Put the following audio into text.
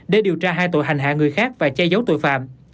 để điều tra hai tội hành hạ người khác và che giấu tội phạm